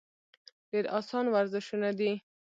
ډېر اسان ورزشونه دي -